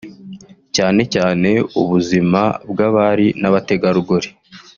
cyane cyane ubuzima bw’abari n’abategarugori